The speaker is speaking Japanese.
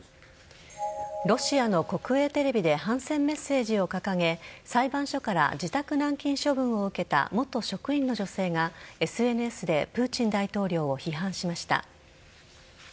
ロシアの国営テレビで反戦メッセージを掲げ裁判所から自宅軟禁処分を受けた元職員の女性がＳＮＳでプーチン大統領を批判しました。